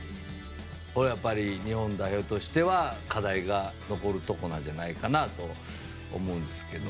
これはやっぱり日本代表としては課題が残るところじゃないかと思うんですけど。